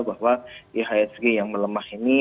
bahwa ihsg yang melemah ini